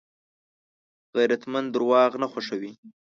غیرتمند درواغ نه خوښوي